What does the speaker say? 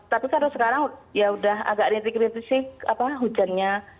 tapi kalau sekarang ya udah agak rintik rintis sih hujannya